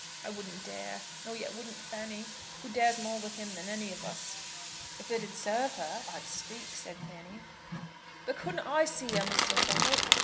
I wouldn't dare; nor yet wouldn't Fanny, who dares more with him than any of us." "If it'd serve her, I'd speak," said Fanny. "But couldn't I see her, Mr. Fenwick?